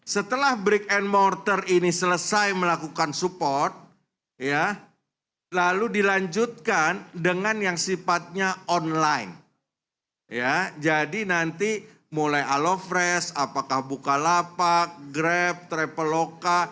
setelah break and morter ini selesai melakukan support ya lalu dilanjutkan dengan yang sifatnya online ya jadi nanti mulai alo fresh apakah bukalapak grab traveloka